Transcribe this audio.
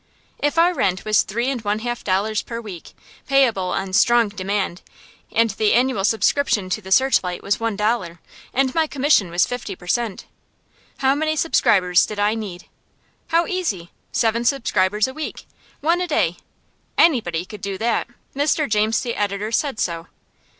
If our rent was three and one half dollars per week, payable on strong demand, and the annual subscription to the "Searchlight" was one dollar, and my commission was fifty per cent, how many subscribers did I need? How easy! Seven subscribers a week one a day! Anybody could do that. Mr. James, the editor, said so.